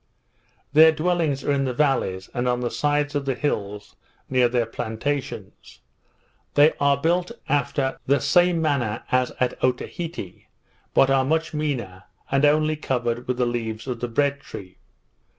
Their dwellings are in the vallies, and on the sides of the hills, near their plantations. They are built after the same manner as at Otaheite; but are much meaner, and only covered with the leaves of the bread tree.